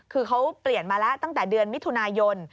คือเขาเปลี่ยนมาแล้วตั้งแต่เดือนมิถุนายน